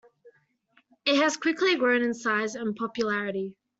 It has quickly grown in size and popularity.